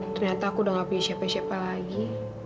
ternyata aku udah gak punya siapa siapa lagi